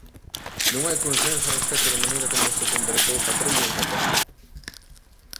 Non hai consenso a respecto da maneira como se converteu patrón de Inglaterra.